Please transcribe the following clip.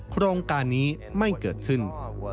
โครงการนี้ไม่เกิดขึ้น